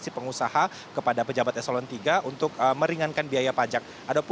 dari pengusaha kepada pejabat eselon iii untuk meringankan biaya pajak